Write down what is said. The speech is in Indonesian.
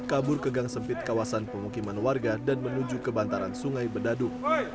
kabur ke gang sempit kawasan pemukiman warga dan menuju ke bantaran sungai bedadu